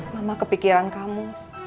mama kepikiran kamu